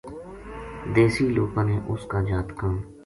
دیسی لوکاں نے اس کا جاتکاں